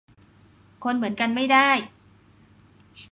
คนเหมือนกัน ไม่ได้